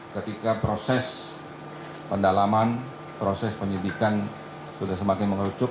ketika proses pendalaman proses penyidikan sudah semakin mengerucuk